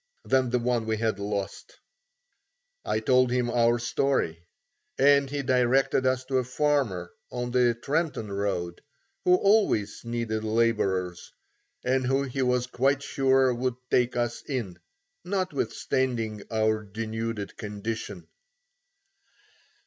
than the one we had lost. I told him our story, and he directed us to a farmer on the Trenton road who always needed labourers, and who he was quite sure would take us in, notwithstanding our denuded condition.